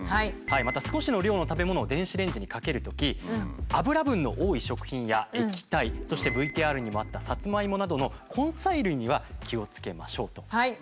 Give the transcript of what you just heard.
また少しの量の食べ物を電子レンジにかけるときあぶら分の多い食品や液体そしてＶＴＲにもあったサツマイモなどの根菜類には気をつけましょうと。